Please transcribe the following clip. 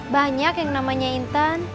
banyak yang namanya intan